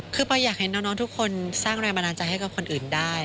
คือปอยอยากเห็นน้องทุกคนสร้างแรงบันดาลใจให้กับคนอื่นได้